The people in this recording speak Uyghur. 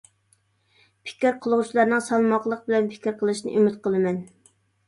پىكىر قىلغۇچىلارنىڭ سالماقلىق بىلەن پىكىر قىلىشىنى ئۈمىد قىلىمەن!